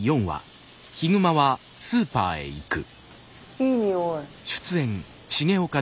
いい匂い。